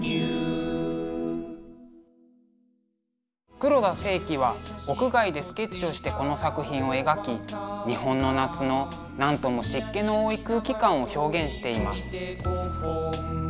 黒田清輝は屋外でスケッチをしてこの作品を描き日本の夏のなんとも湿気の多い空気感を表現しています。